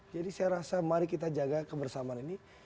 jadi saya rasa mari kita jaga kebersamaan ini